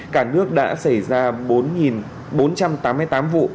cả nước đã xảy ra bốn bốn trăm tám mươi tám vụ